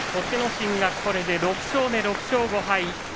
心はこれで６勝目６勝５敗。